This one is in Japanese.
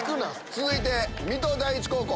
続いて水戸第一高校。